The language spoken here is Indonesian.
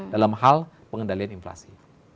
dalam hal pengendalian inflasi